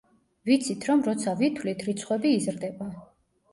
ვიცით, რომ როცა ვითვლით, რიცხვები იზრდება.